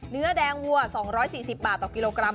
เนื้อแดงวัว๒๔๐บาทต่อกิโลกรัม